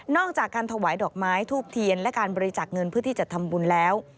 จากการถวายดอกไม้ทูบเทียนและการบริจาคเงินเพื่อที่จะทำบุญแล้ว